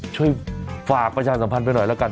ช่วยฝากประชาสัมภัณฑ์หน่อยกัน